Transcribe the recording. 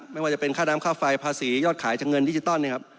ไม่ว่าจะเป็นค่าน้ำค่าไฟภาษียอดขายจากเงินดิจิตอลเนี่ยครับ